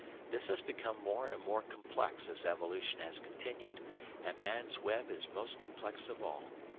This has become more and more complex as evolution has continued, and man's web is most complex of all.